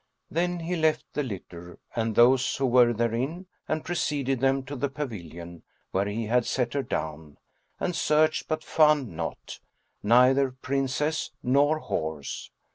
Then he left the litter and those who were therein and preceded them to the pavilion where he had set her down; and searched but found naught, neither Princess nor horse.